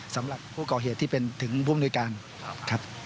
สำหรับผู้เกาะเหตุที่เป็นถึงภูมิในกลางครับ